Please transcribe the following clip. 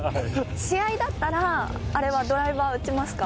試合だったらあれはドライバー打ちますか？